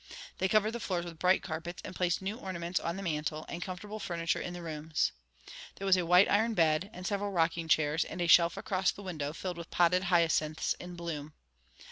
They covered the floors with bright carpets, and placed new ornaments on the mantle, and comfortable furniture in the rooms. There was a white iron bed, and several rocking chairs, and a shelf across the window filled with potted hyacinths in bloom.